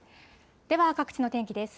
では各地の天気です。